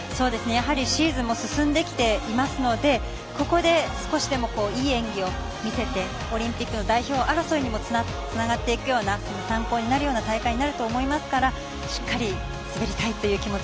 シーズンも進んできていますのでここで少しでもいい演技を見せてオリンピックの代表争いにもつながっていくような参考になるような大会になると思いますからしっかり滑りたいという気持ち。